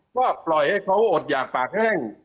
ก็ปล่อยให้เขาอดหยากปากแห้ง